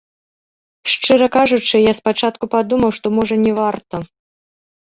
Шчыра кажучы я спачатку падумаў, што, можа, не варта.